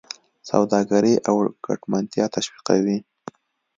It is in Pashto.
سوداګري او ګټمنتیا تشویقوي.